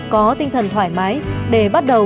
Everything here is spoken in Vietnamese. có tinh thần thoải mái để bắt đầu